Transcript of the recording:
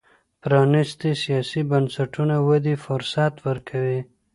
پرانیستي سیاسي بنسټونه ودې فرصت ورکوي.